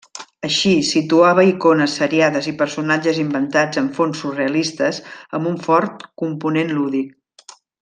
Així, situava icones seriades i personatges inventats en fons surrealistes amb un fort component lúdic.